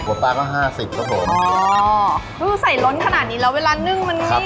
ปลาก็ห้าสิบครับผมอ๋อคือใส่ล้นขนาดนี้แล้วเวลานึ่งมันนิ่ม